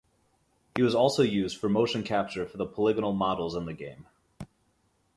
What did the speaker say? He also was used for motion capture for the polygonal models in the game.